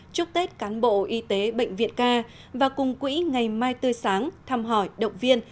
chúc tết cán bộ y tế bệnh viện ca và cùng quỹ ngày mai tươi sáng thăm hỏi động viên